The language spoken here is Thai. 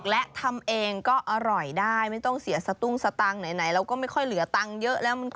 และเดี๋ยวเจอกันนะคะคุณผู้ชม